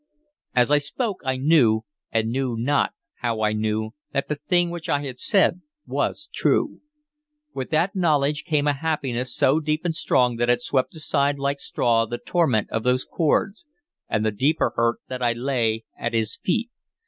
As I spoke, I knew, and knew not how I knew, that the thing which I had said was true. With that knowledge came a happiness so deep and strong that it swept aside like straw the torment of those cords, and the deeper hurt that I lay at his feet.